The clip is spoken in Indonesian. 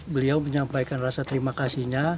beliau menyampaikan rasa terima kasihnya